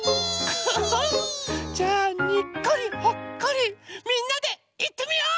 じゃあ「にっこりほっこり」みんなでいってみよう！